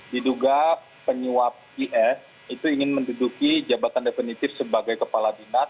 diduga penyuap is itu ingin menduduki jabatan definitif sebagai kepala dinas